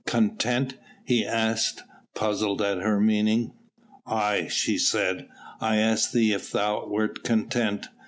"Content?" he asked, puzzled at her meaning. "Aye!" she said; "I asked thee if thou wert content.